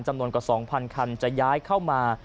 จำนวนกว่า๒๐๐คันจะย้ายเข้ามา